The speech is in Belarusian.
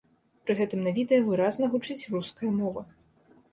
Пры гэтым на відэа выразна гучыць руская мова.